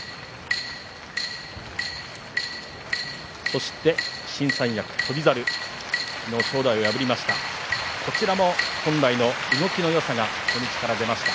そして新三役、翔猿昨日、正代を破りましたこちらも本来の動きのよさが初日から出ました。